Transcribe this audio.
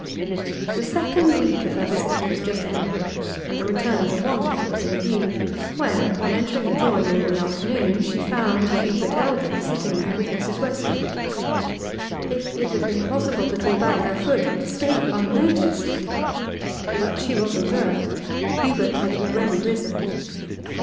The second week of her visit was just ending, and the return to Wanley was in view, when, on entering the drawing room in the afternoon, she found Hubert Eldon sitting there with Mrs. Westlake. If it had been possible to draw back her foot and escape unnoticed! But she was observed; Hubert had already risen.